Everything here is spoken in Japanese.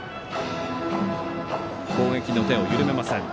攻撃の手を緩めません。